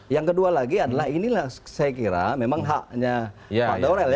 yang kedua lagi adalah inilah saya kira memang haknya pak dorel ya